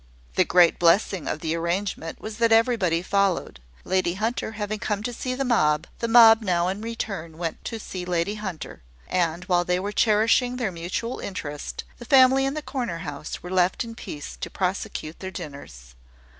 The great blessing of the arrangement was that everybody followed. Lady Hunter having come to see the mob, the mob now, in return, went to see Lady Hunter: and while they were cherishing their mutual interest, the family in the corner house were left in peace to prosecute their dinners.